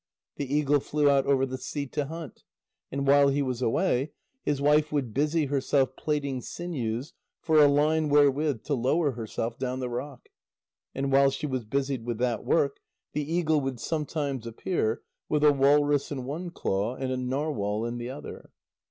The eagle flew out over the sea to hunt, and while he was away, his wife would busy herself plaiting sinews for a line wherewith to lower herself down the rock. And while she was busied with that work, the eagle would sometimes appear, with a walrus in one claw and a narwhal in the other.